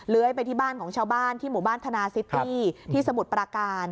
ไปที่บ้านของชาวบ้านที่หมู่บ้านธนาซิตี้ที่สมุทรปราการ